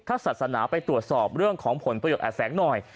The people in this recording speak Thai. ถ้าศาสนาไปตรวจสอบเรื่องของผลประโยชนแอบแฝงหน่อย